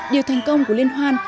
điều thành công của liên hoan